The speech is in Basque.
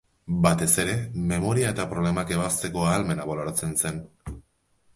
Batez ere memoria eta problemak ebazteko ahalmena baloratzen zen.